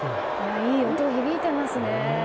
いい音が響いていますね。